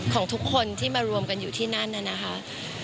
ของทุกคนที่มารวมกันอยู่ที่นั่นน่ะนะคะ